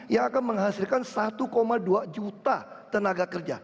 yang akan menghasilkan satu dua juta tenaga kerja